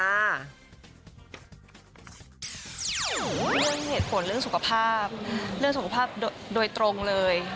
เรื่องเหตุผลเรื่องสุขภาพเรื่องสุขภาพโดยตรงเลย